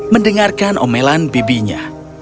mendengarkan omelan bibinya